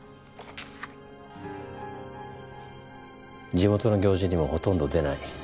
地元の行事にもほとんど出ない。